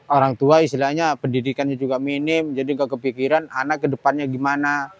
orang tua istilahnya pendidikannya juga minim jadi nggak kepikiran anak kedepannya gimana